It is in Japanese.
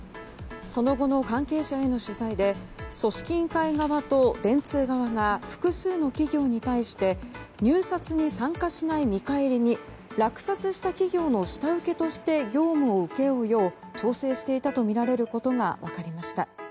その後の関係者への取材で組織委員会側と電通側が複数の企業に対して入札に参加しない見返りに落札した企業の下請けとして業務を請け負うよう調整していたとみられることが分かりました。